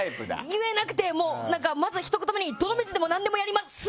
言えなくて、まずひと言目に泥水でも何でもやります。